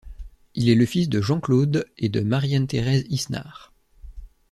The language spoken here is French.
Il est le fils de Jean-Claude et de Marie-Anne-Thérèse Isnard.